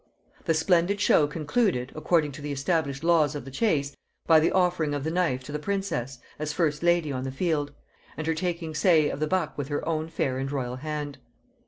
The splendid show concluded, according to the established laws of the chase, by the offering of the knife to the princess, as first lady on the field; and her taking 'say of the buck with her own fair and royal hand.